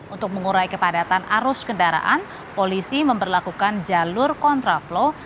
untuk mengurai kepadatan arus kendaraan polisi memperlakukan jalur kontraflow